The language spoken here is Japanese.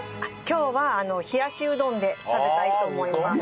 今日は冷やしうどんで食べたいと思います。